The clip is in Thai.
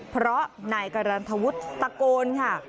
เพราะนายกรรณฑวุฒิตะโกนค่ะ